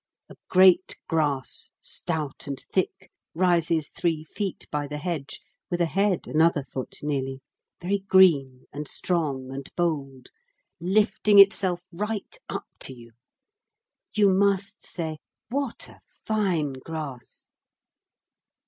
A great grass, stout and thick, rises three feet by the hedge, with a head another foot nearly, very green and strong and bold, lifting itself right up to you; you must say, 'What a fine grass!'